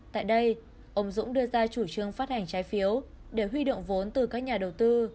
tại đây ông dũng đưa ra chủ trương phát hành trái phiếu để huy động vốn từ các nhà đầu tư